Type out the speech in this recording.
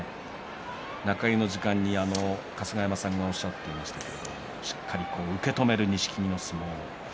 中入りの時間に春日山さんがおっしゃっていましたけど、しっかり受け止める錦木の相撲。